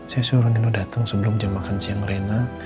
saya suruh nino datang sebelum jam makan siang rena